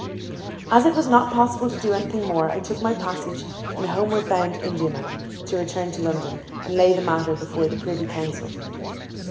As it was not possible to do anything more I took my passage in a homeward bound Indiaman, to return to London, and lay the matter before the Privy Council.